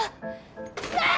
うわっ！